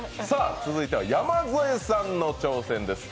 続いては山添さんの挑戦です。